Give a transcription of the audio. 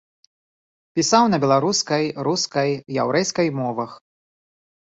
Пісаў на беларускай, рускай, яўрэйскай мовах.